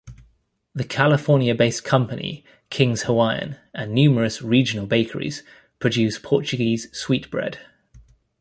The California-based company King's Hawaiian and numerous regional bakeries produce Portuguese sweet bread.